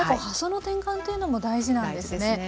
発想の転換というのも大事なんですね。